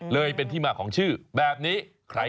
เลยเป็นที่มาของชื่อแบบนี้